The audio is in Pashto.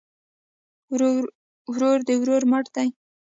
ورور د ورور مټ دی